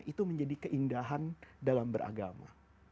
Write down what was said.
itu menjadi keindahan dalam beragama